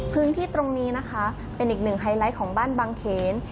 พื้นที่ตรงนี้นะคะเป็นอีกหนึ่งไฮไลท์ของบ้านบางเขน